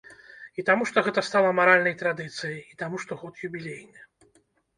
І таму што гэта стала маральнай традыцыяй, і таму што год юбілейны.